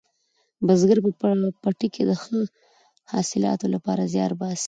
بزګر په پټي کې د ښه حاصلاتو لپاره زیار باسي